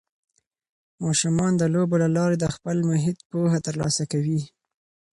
ماشومان د لوبو له لارې د خپل محیط پوهه ترلاسه کوي.